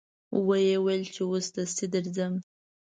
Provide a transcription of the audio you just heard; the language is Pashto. و یې ویل چې اوس دستي درځم.